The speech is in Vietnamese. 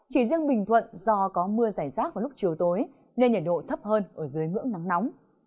chỉ riêng bình thuận do có mưa giải rác vào lúc chiều tối nên nhiệt độ thấp hơn ở dưới ngưỡng nắng nóng